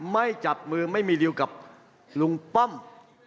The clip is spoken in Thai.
ไม่จับมือไม่มีริวกับลุงป้อม